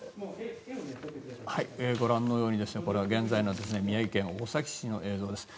ご覧のように現在の宮城県大崎市の様子です。